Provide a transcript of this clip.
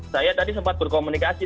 saya tadi sempat berkomunikasi